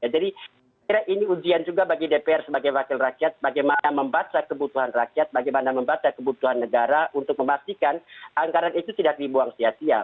jadi ini ujian juga bagi dpr sebagai wakil rakyat bagaimana membaca kebutuhan rakyat bagaimana membaca kebutuhan negara untuk memastikan anggaran itu tidak dibuang setia tia